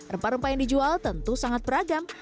rempah rempah yang dijual tentu sangat beragam